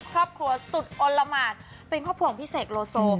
ครอบครัวสุดอลละหมาดเป็นครอบครัวของพี่เสกโลโซ